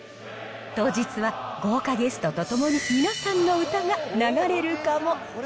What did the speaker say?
当日は豪華ゲストと共に、皆さんの歌が流れるかも。